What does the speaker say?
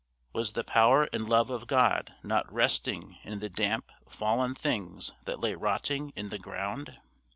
Was the power and love of God not resting in the damp fallen things that lay rotting in the ground?